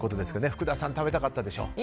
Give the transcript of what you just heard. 福田さん、食べたかったでしょう。